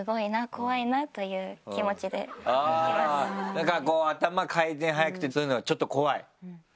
だからこう頭回転速くてっていうのはちょっと怖い？